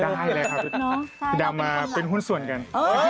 ได้แล้วครับคุณดำมาเป็นหุ้นส่วนกัน